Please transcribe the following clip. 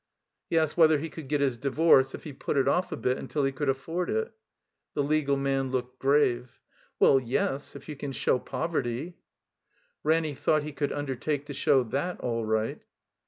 He asked whether he could get his divorce if he put it off a bit tmtil he could afford it ? The legal man looked grave. *'Well — ^yes. If you can show poverty —'* Ranny bought he could tmdertake to show that all right.